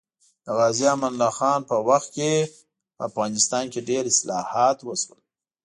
د غازي امان الله خان په وخت کې افغانستان کې ډېر اصلاحات وشول